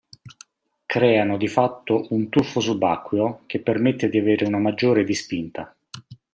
Creano di fatto un tuffo subacqueo che permette di avere una maggiore di spinta.